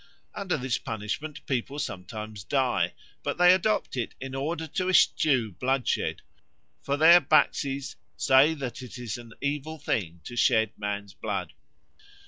"Under this punishment people sometimes die, but they adopt it in order to eschew bloodshed, for their Bacsis say that it is an evil thing to shed man's blood."